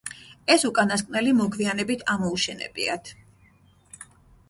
ეს უკანასკნელი მოგვიანებით ამოუშენებიათ.